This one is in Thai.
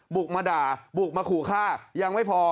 บุกมาด่าบุกมาขู่ฆ่ายังไม่พอ